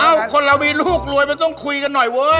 คนเรามีลูกรวยมันต้องคุยกันหน่อยเว้ย